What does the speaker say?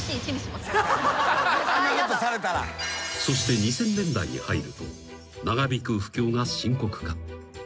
［そして２０００年代に入ると長引く不況が深刻化］